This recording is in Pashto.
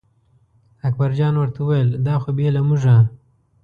اکبرجان ورته وویل دا خو بې له مونږه.